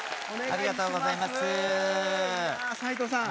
ありがとうございます斎藤さん